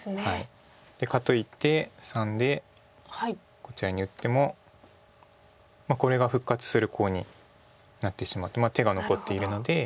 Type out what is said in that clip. かといって③でこちらに打ってもこれが復活するコウになってしまって手が残っているので。